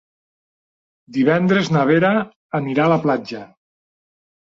Divendres na Vera anirà a la platja.